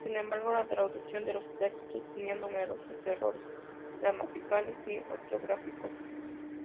Sin embargo, la traducción de los textos tenía numerosos errores gramaticales y ortográficos.